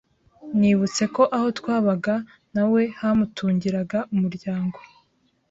nibutse ko aho twabaga nawe hamutungiraga umuryango